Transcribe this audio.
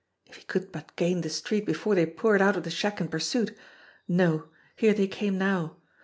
If he could but gain the street before they poured out of the shack in pursuit ! No here they came now